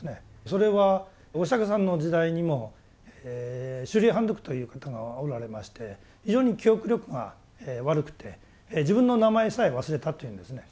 それはお釈さんの時代にも周利槃特という方がおられまして非常に記憶力が悪くて自分の名前さえ忘れたっていうんですね。